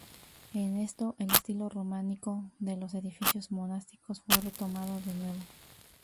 En esto, el estilo románico de los edificios monásticos fue retomado de nuevo.